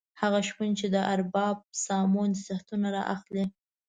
هغه شپون چې د ارباب سامو نصیحتونه را اخلي.